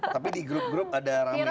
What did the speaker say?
tapi di grup grup ada rame